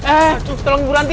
eh tolong bu ranti